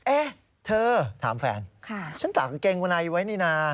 เอ๊ะเธอถามแฟนฉันตากเกงไว้ไว้นี่น่ะค่ะ